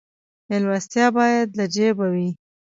میلمستیا باید له جیبه وي